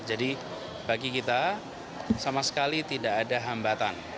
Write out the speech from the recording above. bagi kita sama sekali tidak ada hambatan